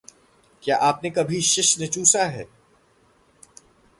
क्या आपने कभी शिश्न चूसा है?